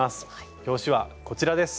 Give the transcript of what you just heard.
表紙はこちらです。